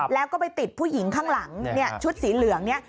แล้วก็ไปติดผู้หญิงข้างหลังชุดสีเหลืองนี้